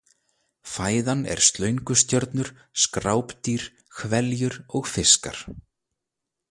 Fæðan er slöngustjörnur, skrápdýr, hveljur og fiskar.